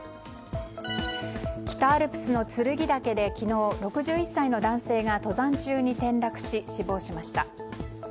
北アルプスの剱岳で昨日、６１歳の男性が登山中に転落し、死亡しました。